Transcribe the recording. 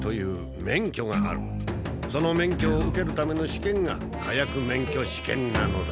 その免許を受けるための試験が火薬免許試験なのだ。